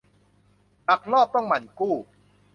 ดักลอบต้องหมั่นกู้